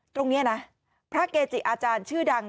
ตรงนี้นะพระเกจิอาจารย์ชื่อดัง